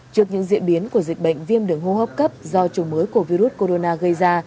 trước những diễn biến của dịch bệnh viêm đường hô hấp cấp do chủng mới của virus corona gây ra